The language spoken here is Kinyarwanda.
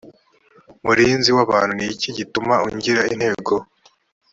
murinzi w abantu ni iki gituma ungira intego